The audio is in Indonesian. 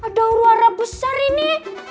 ada uara besar ini